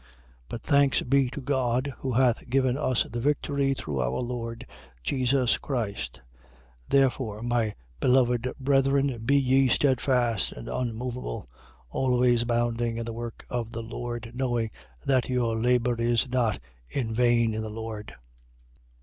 15:57. But thanks be to God, who hath given us the victory through our Lord Jesus Christ. 15:58. Therefore, my beloved brethren, be ye steadfast and unmoveable: always abounding in the work of the Lord, knowing that your labour is not in vain in the Lord.